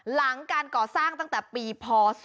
หลังการก่อสร้างตั้งแต่ปีพศ๒๕